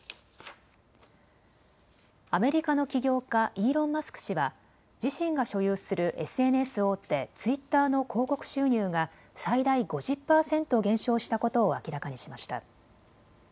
アメリカの起業家、イーロン・マスク氏は自身が所有するＳＮＳ大手、ツイッターの広告収入が最大５０％減少したことを明らかにしました。